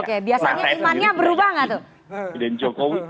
oke biasanya imannya berubah gak tuh